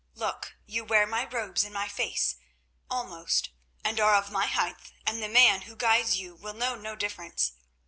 Look, you wear my robes and my face—almost; and are of my height, and the man who guides you will know no difference.